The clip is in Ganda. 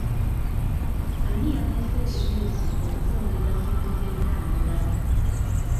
Ani yaleese ekiteeso okutwongeza ssente z'entambula?